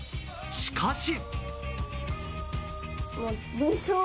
しかし。